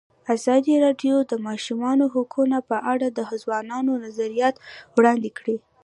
ازادي راډیو د د ماشومانو حقونه په اړه د ځوانانو نظریات وړاندې کړي.